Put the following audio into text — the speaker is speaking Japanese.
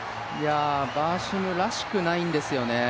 バーシムらしくないんですよね。